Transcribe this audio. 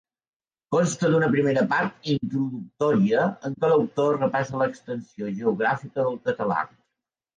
Consta d'una primera part introductòria, en què l'autor repassa l'extensió geogràfica del català.